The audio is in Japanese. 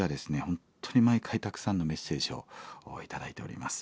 本当に毎回たくさんのメッセージを頂いております。